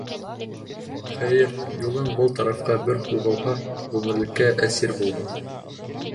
Хәйер, юлың был тарафҡа бер һуғылһа, ғүмерлеккә әсир булдың!